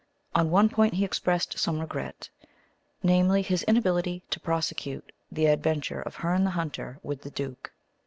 On one point he expressed some regret namely, his inability to prosecute the adventure of Herne the Hunter with the duke.